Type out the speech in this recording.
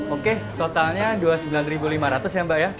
oke totalnya dua puluh sembilan lima ratus ya mbak ya